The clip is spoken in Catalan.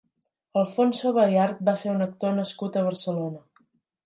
Alfonso Bayard va ser un actor nascut a Barcelona.